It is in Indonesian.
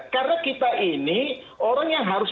karena kita ini orang yang harus